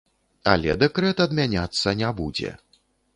Але дэкрэт адмяняцца не будзе.